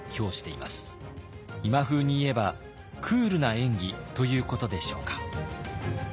今風に言えば「クールな演技」ということでしょうか。